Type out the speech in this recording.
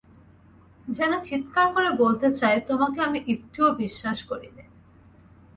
যেন চীৎকার করে বলতে চায়, তোমাকে আমি একটুও বিশ্বাস করি নে।